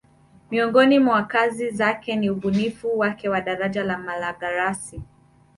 Miongoni mwa kazi zake ni ubunifu wake wa daraja la Malagarasi